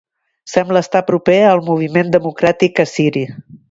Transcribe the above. Sembla estar proper al Moviment Democràtic Assiri.